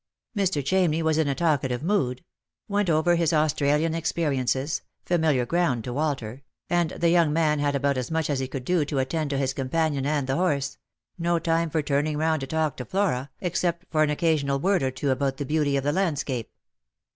Mr. Chamney was in a talkative mood ; went over his Australian experiences — familiar ground to Walter ; and the young man had about as much as he could do to attend to his companion and the horse — no time for turning round to talk to Flora, except for an occasional word or two about the beauty of the landscape.